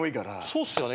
そうっすよね。